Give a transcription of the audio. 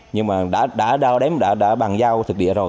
nhưng mà đã đo đếm đã bàn giao thực địa rồi